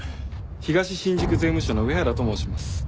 東新宿税務署の上原と申します。